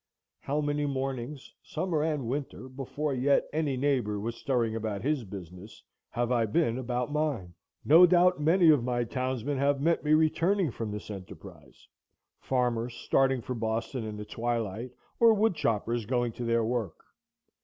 How many mornings, summer and winter, before yet any neighbor was stirring about his business, have I been about mine! No doubt, many of my townsmen have met me returning from this enterprise, farmers starting for Boston in the twilight, or woodchoppers going to their work.